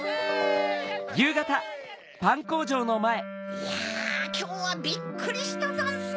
いやきょうはビックリしたざんす。